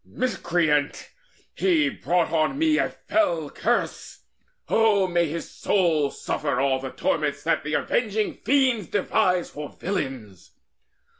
Miscreant, he Brought on me a fell curse! O may his soul Suffer all torments that the Avenging Fiends Devise for villains!